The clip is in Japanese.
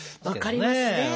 分かりますね。